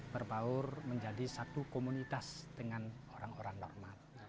berbaur menjadi satu komunitas dengan orang orang normat